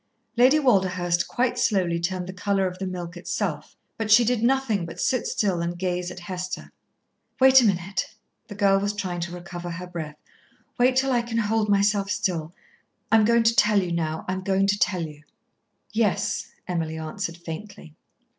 Lady Walderhurst, quite slowly, turned the colour of the milk itself. But she did nothing but sit still and gaze at Hester. "Wait a minute." The girl was trying to recover her breath. "Wait till I can hold myself still. I am going to tell you now. I am going to tell you." "Yes," Emily answered faintly.